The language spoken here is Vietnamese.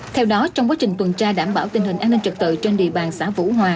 theo đó trong quá trình tuần tra đảm bảo tình hình an ninh trật tự trên địa bàn xã vũ hòa